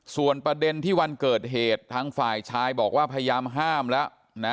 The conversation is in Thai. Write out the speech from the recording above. ส่วนประเด็นที่วันเกิดเหตุทางฝ่ายชายบอกว่าพยายามห้ามแล้วนะ